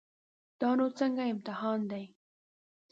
دا نو څنګه امتحان دی.